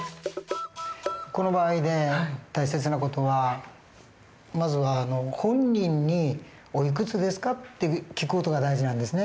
この場合で大切な事はまずは本人に「おいくつですか？」って聞く事が大事なんですね。